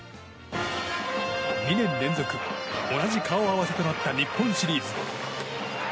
２年連続同じ顔合わせとなった日本シリーズ。